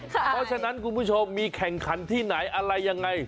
เพราะฉะนั้นคุณผู้ชมมีแข่งขันที่ไหนอะไรยังไง